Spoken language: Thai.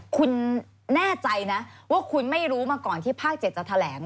คุณแน่ใจนะว่าคุณไม่รู้มาก่อนที่ภาค๗จะแถลง